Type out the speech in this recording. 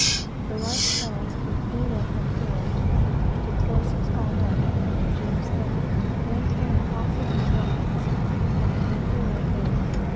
The light sails were clewed up and furled, the courses hauled up and the jibs down; then came the topsails in the buntlines, and the anchor let go.